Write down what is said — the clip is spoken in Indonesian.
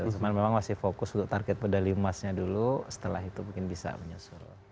cuman memang masih fokus untuk target medali emasnya dulu setelah itu mungkin bisa menyusul